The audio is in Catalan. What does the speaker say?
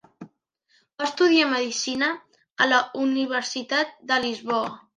Va estudiar medicina a la Universitat de Lisboa.